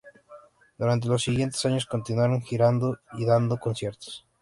Durante los siguientes años continuaron girando y dando conciertos.